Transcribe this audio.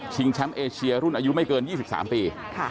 ชิงแชมป์เอเชียรุ่นอายุไม่เกินยี่สิบสามปีค่ะ